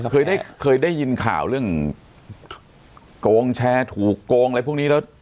เคยได้เคยได้ยินข่าวเรื่องโกงแชร์ถูกโกงอะไรพวกนี้แล้ว